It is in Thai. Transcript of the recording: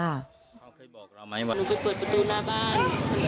หนูก็เปิดประตูหน้าบ้านปิดก็เลยเดินเข้าเข้าไปหลังบ้าน